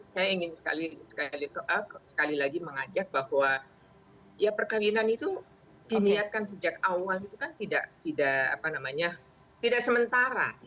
saya ingin sekali lagi mengajak bahwa perkawinan itu diniatkan sejak awal itu kan tidak sementara